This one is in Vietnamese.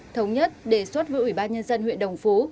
thống nhất đề xuất với ủy ban nhân dân huyện đồng phú